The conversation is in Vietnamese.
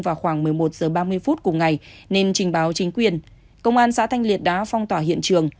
vào khoảng một mươi một giờ ba mươi phút của ngày nên trình báo chính quyền công an xá thanh liệt đã phong tỏa hiện trường